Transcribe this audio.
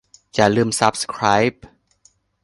อย่าลืมซับสไครบ์